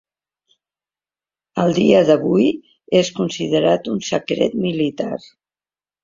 Al dia d'avui, és considerat un secret militar.